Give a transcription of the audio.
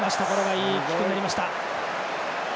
いいックになりました。